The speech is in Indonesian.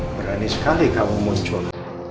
pernah niskah dikabung moncron